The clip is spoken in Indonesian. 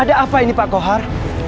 ada apa ini pak kohar